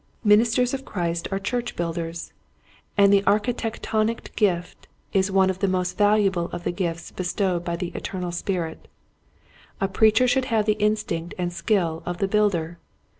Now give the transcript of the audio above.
Ministers of Christ are church builders 94 Quiet Hints to Growing Preachers. and the architectonic gift is one of the most valuable of the gifts bestowed by the Eternal Spirit. A preacher should have the instinct and skill of the builder.